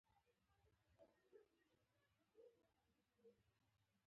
د میرمنو کار او تعلیم مهم دی ځکه چې ودونو ځنډ لاره ده.